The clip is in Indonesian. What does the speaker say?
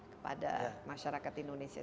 kepada masyarakat indonesia